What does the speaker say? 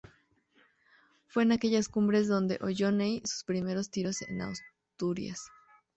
Fue en aquellas cumbres donde oyó Ney sus primeros tiros en Asturias.